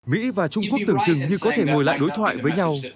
mỹ và trung quốc tưởng chừng như có thể ngồi lại đối thoại với nhau